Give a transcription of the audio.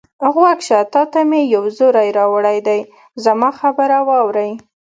غوږ شه، تا ته مې یو زېری راوړی دی، زما خبره واورئ.